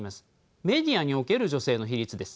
メディアにおける女性の比率です。